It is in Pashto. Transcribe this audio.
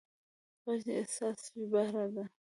غږ د احساس ژباړه ده